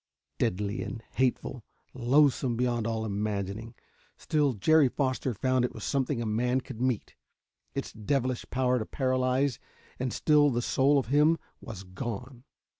Deadly and hateful loathsome beyond all imagining still Jerry Foster found it was something a man could meet. Its devilish power to paralyze and still the soul of him was gone.